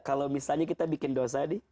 kalau misalnya kita bikin dosa nih